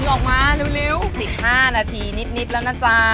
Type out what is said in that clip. ออกมาเร็วอีก๕นาทีนิดแล้วนะจ๊ะ